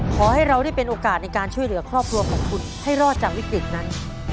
ขอให้เราได้เป็นโอกาสในการช่วยเหลือครอบครัวของคุณให้รอดจากวิกฤตนั้น